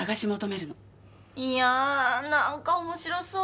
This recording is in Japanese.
いや何か面白そう！